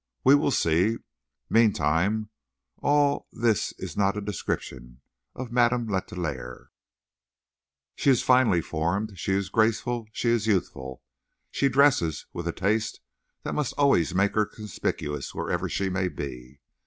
We will see. Meantime all this is not a description of Madame Letellier. She is finely formed; she is graceful; she is youthful. She dresses with a taste that must always make her conspicuous wherever she may be.